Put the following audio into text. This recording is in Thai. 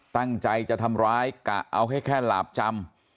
ตั้งใจจะทำร้ายกะเอาให้แค่หลาบจำ